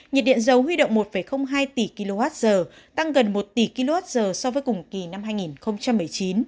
nhiệt điện dầu huy động một hai tỷ kwh tăng gần một tỷ kwh so với cùng kỳ năm hai nghìn một mươi chín